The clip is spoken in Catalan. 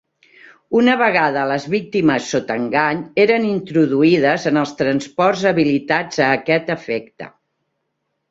Una vegada les víctimes sota engany, eren introduïdes en els transports habilitats a aquest efecte.